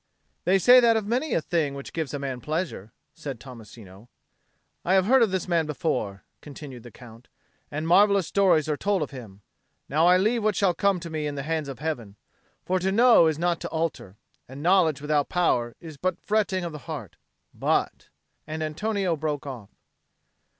"They say that of many a thing which gives a man pleasure," said Tommasino. "I have heard of this man before," continued the Count, "and marvellous stories are told of him. Now I leave what shall come to me in the hands of Heaven; for to know is not to alter, and knowledge without power is but fretting of the heart; but " And Antonio broke off.